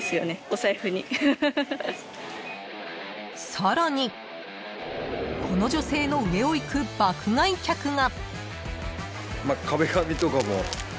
［さらにこの女性の上をいく爆買い客が］